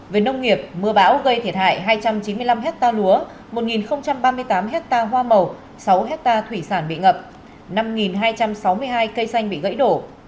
về nông nghiệp mưa bão gây thiệt hại hai trăm chín mươi năm ha lúa một nghìn ba mươi tám ha hoa màu sáu ha thủy sản bị ngập năm nghìn hai trăm sáu mươi hai cây xanh bị gãy đổ